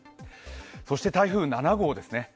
そして台風７号ですね